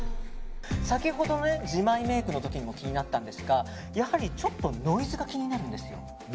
先ほど、自前メイクの時も気になったんですがやはりちょっとノイズが気になるんですよ。